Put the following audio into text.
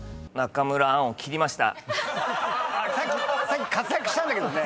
さっき活躍したんだけどね。